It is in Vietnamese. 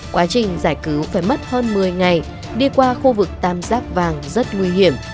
quá trình giải cứu phải mất hơn một mươi ngày đi qua khu vực tam giác vàng rất nguy hiểm